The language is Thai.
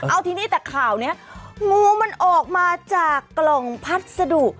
เอาทีนี้แต่ข่าวนี้งูมันออกมาจากกล่องพัสดุ